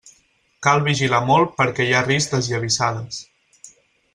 Cal vigilar molt perquè hi ha risc d'esllavissades.